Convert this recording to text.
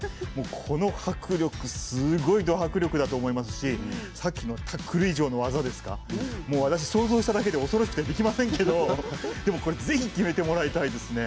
この迫力、すごいド迫力だと思いますしさっきのタックル以上の技ですかもう、私想像しただけでも恐ろしくてできませんけどぜひ、決めてもらいたいですね。